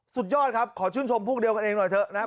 สุดยอดครับขอชื่นชมพวกเดียวกันเองหน่อยเถอะนะครับ